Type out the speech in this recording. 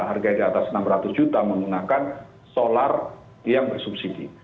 harganya di atas enam ratus juta menggunakan solar yang bersubsidi